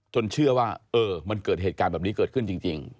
เชื่อว่าเออมันเกิดเหตุการณ์แบบนี้เกิดขึ้นจริง